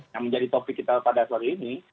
yang menjadi topik kita pada sore ini